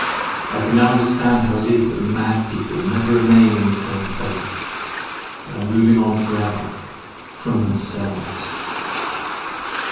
I can now understand how it is that mad people never remain in the same place—they are moving on for ever, FROM THEMSELVES!